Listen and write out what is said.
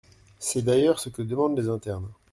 C’est d’ailleurs ce que demandent les internes.